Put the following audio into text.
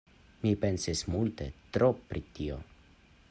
Mi pensis multe tro pri tio.